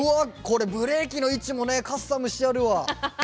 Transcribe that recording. これブレーキの位置もねカスタムしてあるわ。